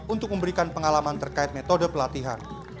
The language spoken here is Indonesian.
untuk memberikan pengalaman terkait metode pelatihan